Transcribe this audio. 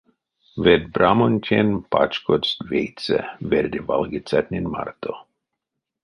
Ведьбрамонтень пачкодсть вейсэ верде валгицятнень марто.